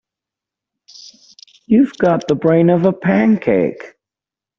You've got the brain of a pancake.